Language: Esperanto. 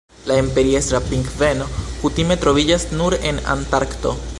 La Imperiestra pingveno kutime troviĝas nur en Antarkto.